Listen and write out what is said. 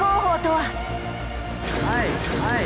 はい！